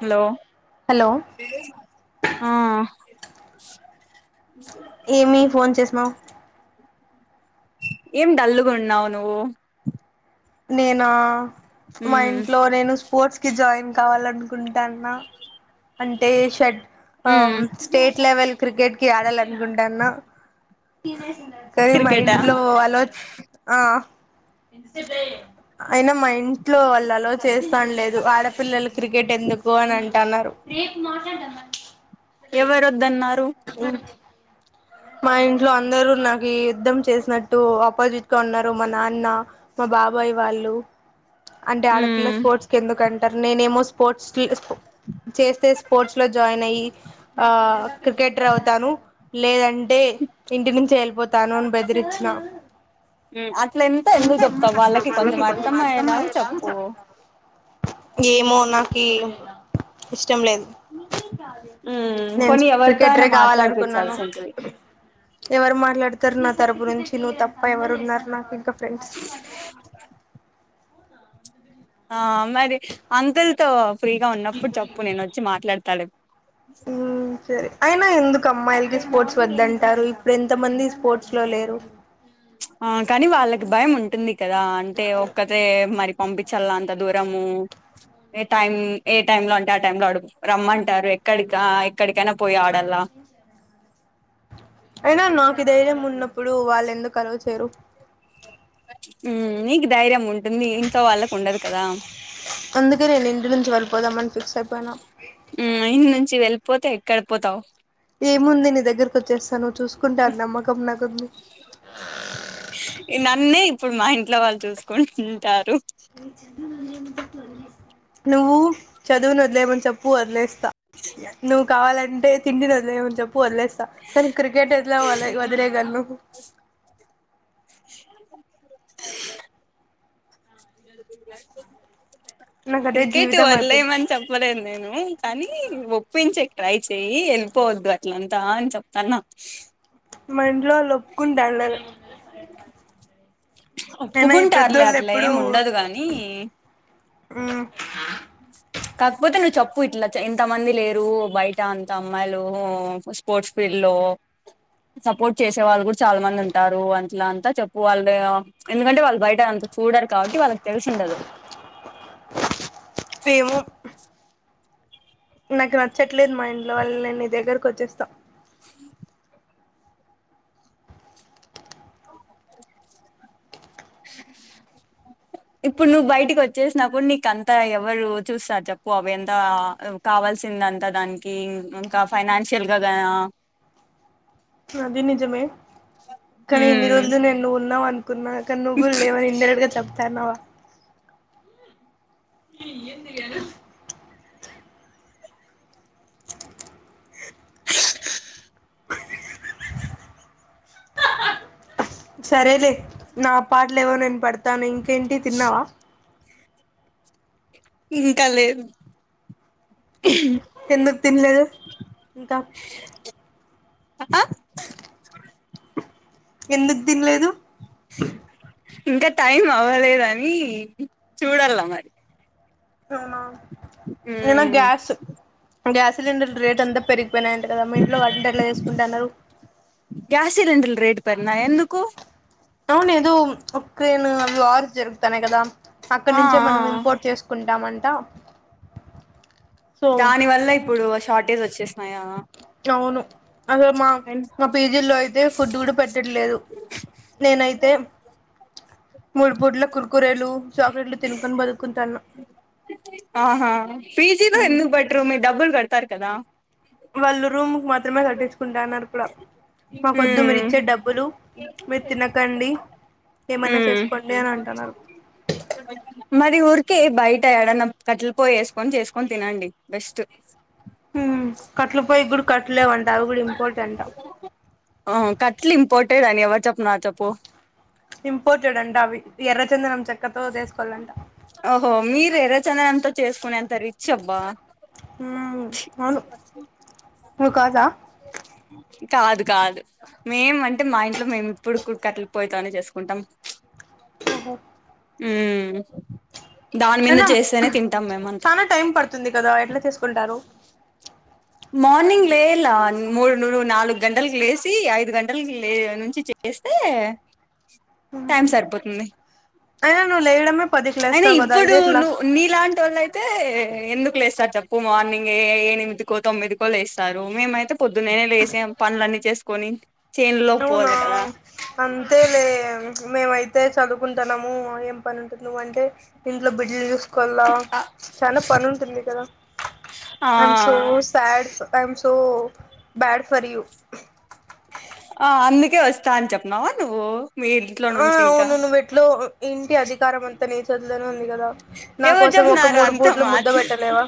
Hello hello ఆ ఏమి phone చేసినవ్ ఏం డల్లుగున్నావ్ నువ్వు నేనా మా మ్మ్ ఇంట్లో నేను స్పోర్ట్స్ కి జాయిన్ కావాలనుకుంటాన్నా అంటే షడ్ ఆ మ్మ్ స్టేట్ లెవెల్ క్రికెట్ కి ఆడాలనుకుంటాన్న సరే మా క్రికెటా ఇంట్లో ఆలో ఆ అయినా మా ఇంట్లో వాళ్ళు ఎలవ్ చేస్తానలేదు ఆడపిల్లలు క్రికెట్ ఎందుకు అని అంటన్నారు రేపు మాట్లాడాదామా ఎవరొద్దన్నారు మా ఇంట్లో అందరు నాకు యుద్ధం చేసినట్టు ఆపోజిట్ గా ఉన్నారు మా నాన్న మా బాబాయ్ వాళ్ళు అంటే ఆడపిల్ల మ్మ్ స్పోర్ట్స్ కి ఎందుకుంటారు నేనేమో స్పోర్ట్స్కి చేస్తే స్పోర్ట్స్ లో జాయిన్ అయ్యి ఆ క్రికెటర్ అవుతాను లేదం టే ఇంటి నుంచతే ఎళ్ళిపోతాను అని బెదిరిచ్చినా ఉమ్ అట్లెంతా ఎందుకు చెప్తావు వాళ్ళకి కొంచెం అర్థం అయ్యేలాగ చెప్పు ఏమో నాకీ ఇష్టం లేదు మ్మ్ నేను పోనీ ఎవరితో అయినా క్రికెటరే కావాలనుకున్నాను మాట్లాడిపించాల్సింటివి ఎవరు మాట్లాడతారు నా తరపు నుంచి నువ్వు తప్ప ఎవరున్నారు నాకింక ఫ్రెండ్స్ ఆ మరి అంకుల్ తో ఫ్రీగా ఉన్నప్పుడు చప్పు నేను వచ్చి మాట్లాడుతా లే ఊ సరే అయినా ఎందుకు అమ్మాయిలకి స్పోర్ట్స్ వద్దంటారు ఇప్పుడు ఎంత మంది స్పో ఆ కానీ వాళ్ళకి భయం ఉంటుంది కదా అంటే ఒక్కతే మరి పంపించల్లా అంత దూరము ఏ టైం ఏ టైం లో అంటే ఆ టైం లో అడుగు రమ్మంటారు క్కడికా ఎక్కడికైనా పోయి ఆడల్లా అయినా నాకి ధైర్యం ఉన్నప్పుడు వాళ్ళెందుకు అల్లో చేయారు ఉమ్ నీకు ధైర్యం ఉంటుంది ఇంట్లో వాళ్ళకు ఉండదు కదా అందుకే నేను ఇంటి నుంచి వెళ్ళిపోదామని ఫిక్ అయిపోయినా చి వెళ్ళిపోతే ఎక్కడకు పోతావు ఏముంది నీ దగ్గరకి వచ్చేస్తాను నువ్ చూసుకుంటావని నమ్మకం నాకుంది ఇ నన్నే ఇప్పుడు మా ఇంట్లో వాళ్ళు చూసుకుంటుంటారు నువ్వు చదువుని వదిలేమని చెప్పు వదిలేస్తా నువ్వు కావాలంటే తిండిని వదిలేయమని చెప్పు వదిలేస్ తా కానీ క్రికెట్ ఎట్లా [unintelligible] వదిలేయగలను నాకు అదే క్రికెట్ జీవితం అయిపోయింది వదిలేయమని చెప్పలేదు నేను కానీ ఈ ఒప్పించేకి ట్రై చేయి ఎళ్ళిపోవద్దు అట్లంతా అని చెప్తాన్నా మా ఇంట్లో వాళ్ళు ఒప్పుకుంటా లేల్ అయినా ఈ ఒప్పుకుంటారులే పెద్దోళ్ళు అట్లా ఏమి ఉండదు గాని ఉమ్ కాకపోతే నువ్వు చెప్పు ఇట్లా ఇంత మంది లేరు బయట అంత అమ్మాయిలు స్పోర్ట్స్ ఫీల్డ్. లో సపోర్ట్ చేసే వాళ్ళు కూడా చాలా మంది ఉంటారు అన్ ఇట్లా అంతా చెప్పు వాళ్ళు ఎందుకంటే వాళ్ళు బయట అంత చూడరు కాబట్టి వాళ్ళకి తెలిసి ఉండదు. ఏమో నాకు నచ్చట్లేదు మా ఇంట్లో వాళ్ళు నేను నీ దగ్గరకు వచ్చేస్తా ఇప్పుడు నువ్వు బయటికి వచ్చేసినప్పుడు నీకు అంతా ఎవరు చూస్తారు చెప్పు అవి ఎంతా కా కాల్సిందంత దానికి ఇంకా ఫైనాన్షియల్ గా అది నిజమే కానీ ఇన్ని ఉమ్ రోజులు నేను నువ్వు ఉన్నావు అనుకున్నా కానీ నువ్వు లేవని ఇండైరెక్ట్ గా చెప్తాన్నావా [unintelligible] సరేలే నా పాట్లు లేవో నేను పడుతా తాను ఇంకేంటి తిన్నావా ఇంకా లేదు ఎందు తిలేదు ఇంకా అ ఆ ఎందుకు తినలేదు ఇంకా టైం అవ్వలేదని చూడాల మరి అవునా ఏన్న ఉమ్, గ్యాస్ గ్యాస్ సిలిండర్లు రేట్ అంతా పెరిగిపోయినాయింట కదా మా ఇంట్లో వాటింటి ఎట్లా చేసుకుంటు అన్నారు గ్యాస్ రేడ్ పెన్నా ఎందుకు అవును ఏదో ఉక్రెన్ అవి వార్ జరుగుతానే కదా అక్కడ ఆ ఆ నుంచే ఆ. మనం ఇంపోర్ట్ చేసుకుంటామంట సో దాని వల్ల ఇప్పుడు షార్టేజ్ వచ్చేసన్నాయా అవును అసలు మా మా పీజీల్లో అయితే ఫుడ్ కూడా పెట్టట్లేదు నేనైతే మూడు పూట్ల కుర్కురేలు చాక్లెట్లు తినుకొని బతుకుంటాను ఆహా పీజీతో ఎందు పట కడతారు కదా వాళ్ళు రూమ్ కు మాత్రమే కట్టించుకుంటాన్నారు కూడా మాకొద్దు మీరు ఉమ్ ఇచ్చే డబ్బులు మీరు తినకండి ఏమన్నా చేసుకోండి అని అంటున్నారు ఉమరి ఊర్ కే బయట ఎడన్నా కట్టలు పోయి వేసుకొని చేసుకొని తినండి బెస్ట్ కట్ల పోయి కూడా కట్టలేవంట అవి కూడా ఇంపార్టెంట్ పట్టేదని చప్ప నా చప్ప ఇంపార్టెంట్ అంట అవి ఎర్ర చంద నమ్ చక్క ఓహో మీరు ఎర్రచందంత చేసుకునేంత రిచ్చ అబ్బా హ్మ్మ్ అవును నువ్వు కాదా కాదు కాదు మేము అంటే మా ఇంట్లో మేము ఇప్పుడు కట్టలిపోయితోనే చేసుకుంటాం ఆహా దాని మీద అయినా చేస్తేనే తింటాం మేము అంతా చానా టైం పడుతుంది కదా ఎట్లా చేసుకుంటారు మార్నింగ్ లేలా మూడు ను నాలుగు గంటలకి లేసి ఐదు గంటలకి లే నుంచి చేస్త ఏ టైం సరిపోతుంది అను లేడున్నావ్ అయినా ఇప్పుడు నువవు నీలాంటి వాళ్ళు అయితే ఎందుకు లేస్తా చేప్ప మార్నింగ్ ఏ నిమి కో తొమ్మిది కో లే వస్తారు మేమైతే పొద్దున్నేనే లేసాం పనులన్నీ చేసుకొని చేన్లో అవునా పోవాలి కదా అంతే లే మేమైతే చదువుకుంటాన్నాముం పని ఉంటుందివ అంటే ఇంట్లో బిడ్డలను చూసుకోలా ఆ చనా పని ఉంటుంది కదా ఆ I'm so sad I am so bad for you ఆ అందుకే వస్తా అని చెప్పన్నావా నువ్వు మీ ఇంట్లో ఆ నుంచి ఇంకా అవును నువ్వెట్లాగో ఇంటి అధికారం అంతా నీ చేతుల్లోనే ఉంది కదా నా ఎవరు కోసం ఒక చెప్పినారు మూడు అంత పూట్లు ముద్ద మార్చ పెట్టలేవా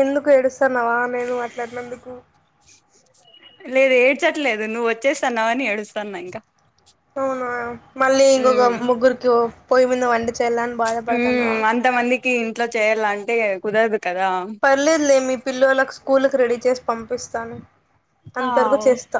ఎందుకు ఏడుస్తాన్నావా నేను అట్లన్నందుకు లేదు ఏడ్చట్లేదు నువ్వు వచ్చేస్తాన్నావని ఏడుస్తాన్నా ఇంకా అవునా మళ్ళీ ఇంకొక ఉమ్ ముగ్గురికి పోయే ముందు చెల్లని బాధపడుతాన్నవా ఉమ్ అంతమందికి ఇంట్లో చేయాలంటే కుదరదు కదా పర్లేదులే మీ పిల్లలకు స్కూల్ కి రెడీ చేసి పంపిస్తాను ఆ అంతవరకు చేస్తా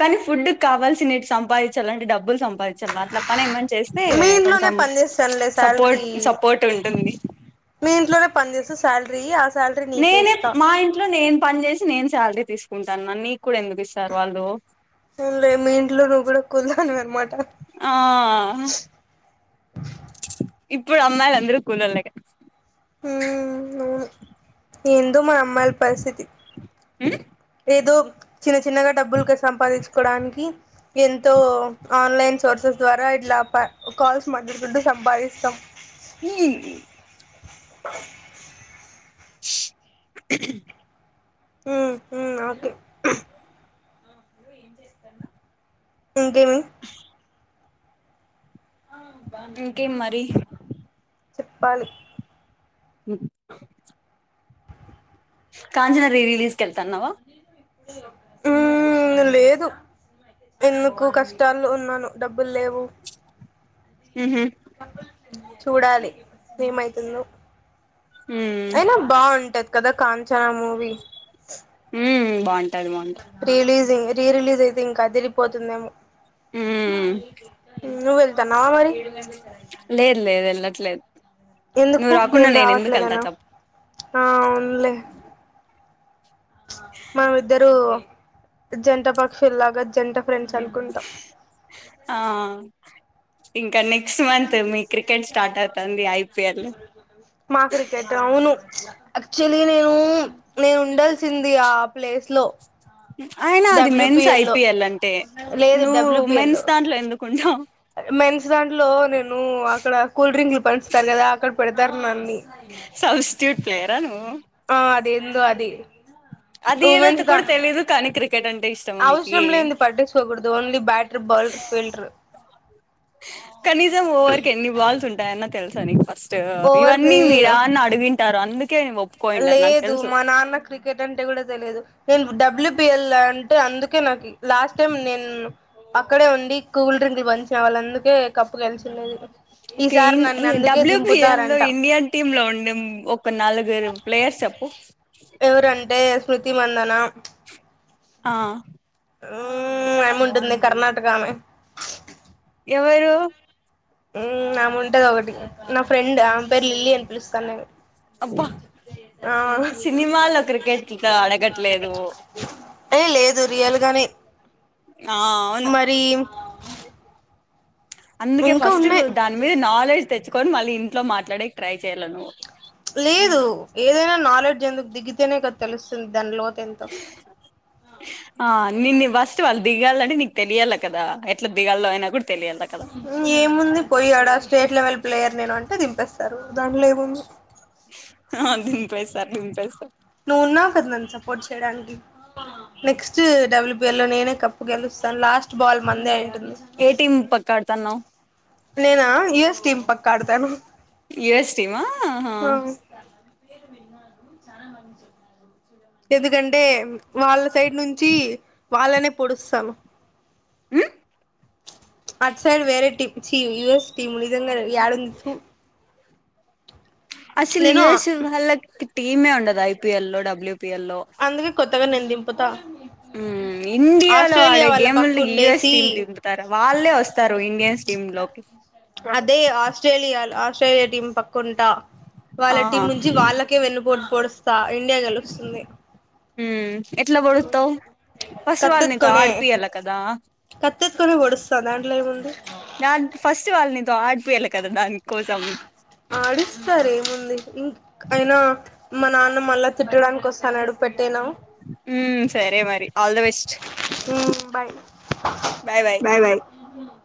కానీ ఫుడ్కి కావాల్సినట్టు సంప సంపాదించాలండి డబ్బులు సంపాదించాలి అట్లా పని ఏమ చేస్తే మీ ఇంట్లోనే కొంచెం పని చేస్తానులే శాలరీ సపోర్ట్ సపోర్ట్ ఉంటుంది మీ ఇంట్లోనే పని చేస్తే సాలరీ ఆ శాలరీ నీకే నేనే ఇస్తా మా ఇంట్లో నేను పని చేసి నేను శాలరీ తీసుకుంటాన్నా నీ అవునులే మీ ఇంట్లో నువ్వు కూడా కూలి దానివే అన్నమాట ఆ ఇప్పుడు అమ్మాయిలు అందరు కూలోల్లేగా ఉ అవును ఎందో మన అమ్మాయిల పరిస్థితి ఏదో చిన్న చిన్నగా డబ్బులు క సంపాదించుకోవడానికి ఎంతో ఆన్లైన్ సోర్సెస్ ద్వారా ఇలా ప కాల్స్ మాట్లాడుకుంటూ సంపాదిస్తాం ఇ ఉ ఉ ఓకే ఇంకేమి అ బాగున్నాను ఇంకేం నువ్వు మరి బాగున్నావా చెప్పాలి ఉ కాంచన రీ రిలీజ్కెళ్తాన్నావా ఉ లేదు ఎందుకు కష్టాల్లో ఉన్నాను డబ్బులు లేవు ఉహు చూడాలి ఏమైతుందో ఉమ్ అయినా బాగుంటది కదా కాంచనా మూవీ ఉమ్ బాగుంటది బాగుంటది రిలీజింగ్ రీ రిలీజ్ అయితే ఇంకా అదిరిపోతుందేమో ఉమ్ నువ్వెళ్తాన్నవా మరి లేదు లేదు వెళ్ళట్లేదు నువ్వు ఎందుకు రాకుండా నేను ఎందుకు వెళ్తా రావట్లేదనా చెప్పు ఆ అవున్లే మనం ఇద్దరు జంట పక్షుల్లాగా జంట ఫ్రెండ్స్ అనుకుంటా ఆ ఇంకా నే ఐపీఎల్ మాదురికెట అవును యాక్చువలీ నేను నేను ఉండాల్సింది ఆ ప్లేస్ లో అయినా అది మెన్స్ డబ్ల్యూపిఎల్లో ఐపిఎల్ అంటే లేదు నువ్వు డబ్ల్యూపిఎల్లో మెన్స్ దాంట్లో ఎందుకుంటావు మెన్స్ దాంట్లో నేను అక్కడ కూల్ డ్రింకులు పంచుతారు కదా అక్కడ పెడతారు నన్ని సబ్స్టిట్యూట్ ప్లేయరా నువ్వు ఆ అదెందో అది అది ఏదో త ఉమెన్స్ దా కూడా తెలీదు కానీ క్రికెట్ అంటే ఇష్టమా నీకీ అవసరం ఫిల్టరు కనీసం ఓవర్కి ఎన్ని బాల్స్ ఉంటాయన్న తెలుసా నీకు ఫస్ట్ ఓవర్కి ఇవన్నీ మీరు యడన్న అడిగింటారు అందు లేదు మా నాన్న క్రి కేట్ అంటే కూడా తెలిదు నేను డబ్ల్యూపిఎల్ అంటే అందుకే నాకు లాస్ట్ టైం నేను అక్కడే ఉండి కూల్ డ్రింక్లు పంచే వాళ్లు అందుకే క కేల్ అందుకే డబ్ల్యూబిఎల్ లో దింపుతారంట ఇండియన్ టీమ్ లో ఉండే ఒ కొన్నాల్ నాలుగురు ప్లేయర్స్ చేప్పు ఎవరంటే శృతి మందన ఆ మ్మ్ ఆయమ్మ ఉంటుందే కర్ణాటక ఆమె ఎవరు మ్ ఆముంటది ఒకటి నా ఫ్రెండ్ ఆమె పేరు లిల్లీ అని పిలుస్తాను నేను అబ్బా ఆ సినిమాలో క్రికెట్ అడగట్లేదు ఏ లేదు రియల్గానే ఆ అవును అందుకే ఇంకా ఫస్ట్ ఉన్నాయి దాని మీద నాలెడ్జ్ తెచ్చుకొని మళ్ళీ ఇంట్లో మాట్లాడేకి ట్రై చేయ్యాల నువ్వు లేదు ఏదైనా నాలెడ్జ్ ఎందుకు దిగితేనే కా తెలుస్తుంది దానిలో ఆ నిన్న వస్ ఫస్టు వాళ్ళు దిగాలంట నీకు తెలియాల్ల కద ఎట్ దిగాలో అయి గూడా ఇంగా ఏముంది పోయ్యాడా స్టేట్ లెవెల్ ప్లేయర్ నేను అంటే దింపేస్తారు దాంట్లో ఏముంది ఆ దింపేస్తారు దింపేస్తారు నువవున్నా కదా నన్ను సపోర్ట్ చేయడానికి నెక్స్ట్ డబ్ల్యూబిఎల్ లో నేనే కప్పు గెలుస్తా తను లాస్ట్ బాల్ మందే అయింటుంది ఏ టీం పక్క ఆడుతున్నావ్ నేనా యఎస్ టీం పక్కడుతాను యుఎస్ టీమా ఆహా ఎందుకంటే వాళ్ళ సైడ్ నుంచి వాళ్ళనే పొడుస్తాము ఉ అట్ సైడ్ వేరే టీం చీ యుఎస్ టీం నిజగానే యండుంది తుపు అసలు యుఎస్ వాళ్ళకి టీమే ఉండదు ఐపిఎల్ లో డబ్ల్యూపిఎల్లో ఏమో నేను దింపుతా ఇండియాలో ఆస్ట్రేలియా ఆడే వాళ్ళ పక్క గేములు యూఎస్ ఉండేసి టీమ్ దింపుతారా వాళ్ళే వస్తారు ఇండియన్స్ టీమ్ లోకి అదే ఆస్ట్రేలియాలో ఆస్ట్రేలియా టీమ్ పక్క కొంటా వాళ్ళ ఆహా టీం నుంచి వాళ్ళకే వెన్నుపోటు పోడుస్తా ఇండియా గెలుస్తుంది మ్ ఎట్లా పోడుస్తావు ఫస్ట్ వాళ్ళనితో కత్తెత్తుకొనే ఆడిపియాల్ల కదా కత్తెత్తుకొనే పొడుస్తా దాంట్లో ఏముంది దాన్ ఫస్ట్ వాళ్ళు నీతో ఆడిపియాళ్ల కదా దానికోసం ఆడిస్తారు ఏముంది ఇం అయినా మా నాన్న మళ్ళా తిట్టడానికి వస్తాన్నాడు పెట్టేనా మ్మ్ సరే మరి all the best um bye bye bye uh